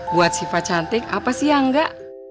buat sifat cantik apa sih yang enggak